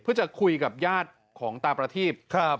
เพื่อจะคุยกับญาติของตาประทีบ